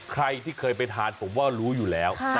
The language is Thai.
ใครที่เคยไปทานผมว่ารู้อยู่แล้ว